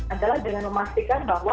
adalah dengan memastikan bahwa